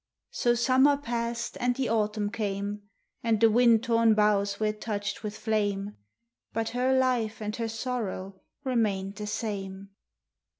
So summer passed and the autumn came; And the wind torn boughs were touched with flame; But her life and her sorrow remained the same.